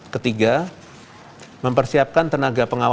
kedua membershapkan sepuluh ton